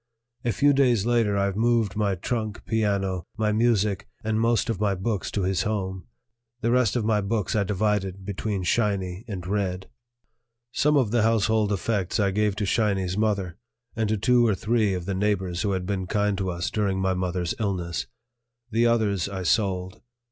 A few days later I moved my trunk, piano, my music, and most of my books to his home; the rest of my books I divided between "Shiny" and "Red." Some of the household effects I gave to "Shiny's" mother and to two or three of the neighbors who had been kind to us during my mother's illness; the others I sold.